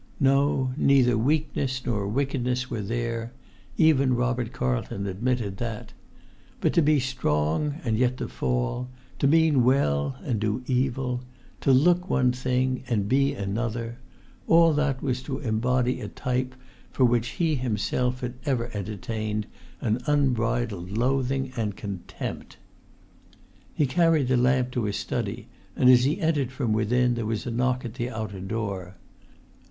No; neither weakness nor wickedness were there; even Robert Carlton admitted that. But to be strong, and yet to fall; to mean well, and do evil; to look one thing, and to be another: all that was to embody a type for which he himself had ever entertained an unbridled loathing and contempt. He carried the lamp to his study, and as he entered from within there was a knock at the outer door.